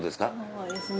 そうですね。